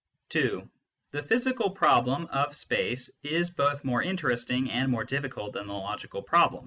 (2) The physical problem of space is both more in teresting and more difficult than the logical problem.